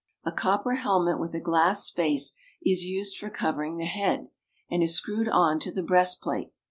A copper helmet with a glass face is used for covering the head, and is screwed on to the breastplate.